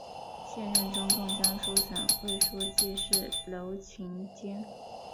现任中共江苏省委书记是娄勤俭。